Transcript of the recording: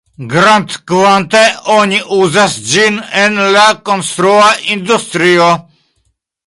Grandkvante, oni uzas ĝin en la konstrua industrio.